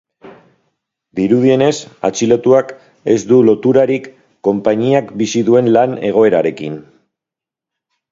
Dirudienez, atxilotuak ez du loturarik konpainiak bizi duen lan egoerarekin.